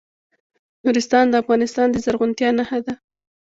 نورستان د افغانستان د زرغونتیا نښه ده.